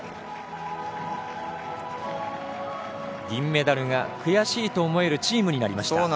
銀メダルが悔しいと思えるチームになりました。